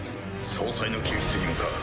総裁の救出に向かう。